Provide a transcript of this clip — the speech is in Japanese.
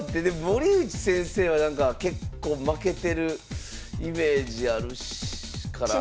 森内先生はなんか結構負けてるイメージあるから。